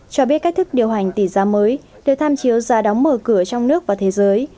cho biết cách thức điều hành tỷ giá mới được tham chiếu giá đóng mở cửa trong nước và thế giới